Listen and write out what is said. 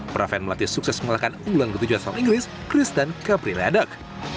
praven melati sukses mengalahkan ulang ketujuan selang inggris kristen gabriel adok